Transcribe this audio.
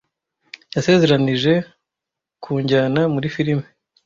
Yasezeranije kunjyana muri firime.